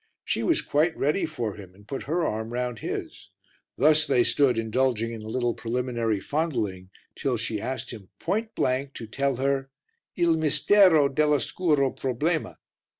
She was quite ready for him and put her arm round his. Thus they stood indulging in a little preliminary fondling till she asked him point blank to tell her "il mistero dell' oscuro problema."